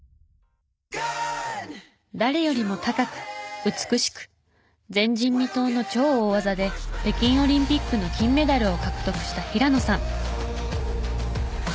誰よりも高く美しく前人未到の超大技で北京オリンピックの金メダルを獲得した平野さん。